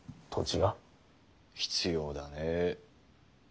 必要だねぇ。